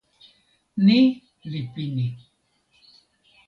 ni li pini.